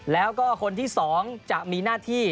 แล้วก็คนที่๒จะมีหน้าที่